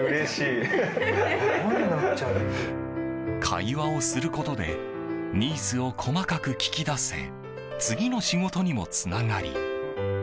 会話をすることでニーズを細かく聞き出せ次の仕事にもつながり